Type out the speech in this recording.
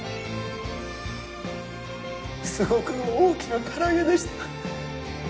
すごく大きな唐揚げでした